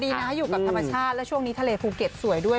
ดีนะอยู่กับธรรมชาติแล้วช่วงนี้ทะเลภูเก็ตสวยด้วย